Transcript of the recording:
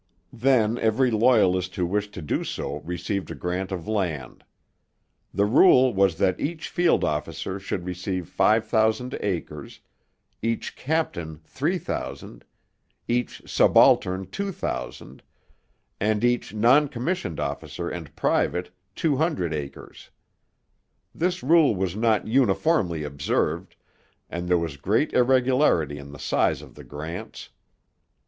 Then every Loyalist who wished to do so received a grant of land. The rule was that each field officer should receive 5,000 acres, each captain 3,000, each subaltern 2,000, and each non commissioned officer and private 200 acres. This rule was not uniformly observed, and there was great irregularity in the size of the grants.